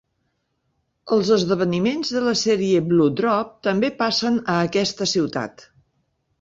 Els esdeveniments de la sèrie "Blue Drop" també passen a aquesta ciutat.